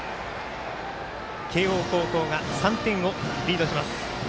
慶応高校が３点をリードします。